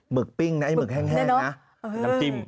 หมึกปิ้งไอ้หมึกแห้งน้ำชิม